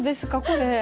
これ。